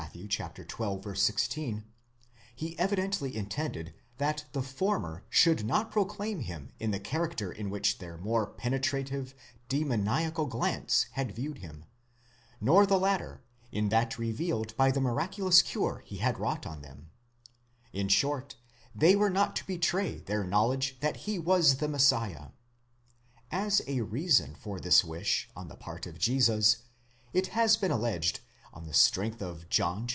xii. 16), he evidently intended that the former should not proclaim him in the character in which their more penetrative, demoniacal glance had viewed him, nor the latter in that revealed by the miraculous cure he had wrought on them—in short, they were not to betray their knowledge that he was the Messiah. As a reason for this wish on the part of Jesus, it has been alleged, on the strength of John vi.